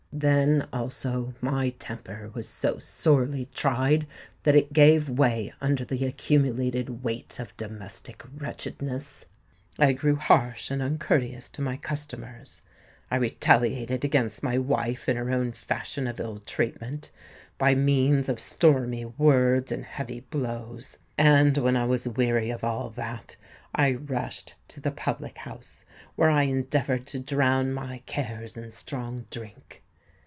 Then also my temper was so sorely tried that it gave way under the accumulated weight of domestic wretchedness. I grew harsh and uncourteous to my customers; I retaliated against my wife in her own fashion of ill treatment—by means of stormy words and heavy blows; and, when I was weary of all that, I rushed to the public house, where I endeavoured to drown my cares in strong drink.